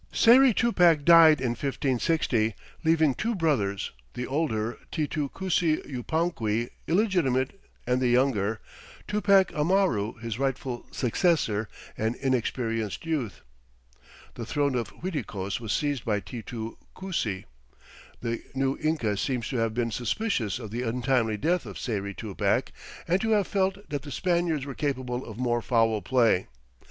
Sayri Tupac died in 1560, leaving two brothers; the older, Titu Cusi Yupanqui, illegitimate, and the younger, Tupac Amaru, his rightful successor, an inexperienced youth. FIGURE Yucay, Last Home of Sayri Tupac The throne of Uiticos was seized by Titu Cusi. The new Inca seems to have been suspicious of the untimely death of Sayri Tupac, and to have felt that the Spaniards were capable of more foul play.